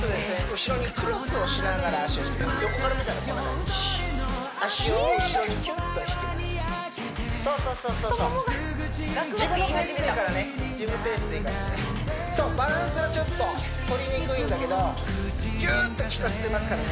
後ろにクロスをしながら足を引く横から見たらこんな感じ足を後ろにキュッと引きますヤバイそうそうそうそう太ももがガクガクいい始めた自分のペースでいいからねそうバランスはちょっととりにくいんだけどギューッときかせてますからね